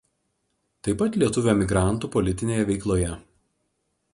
Taip pat lietuvių emigrantų politinėje veikloje.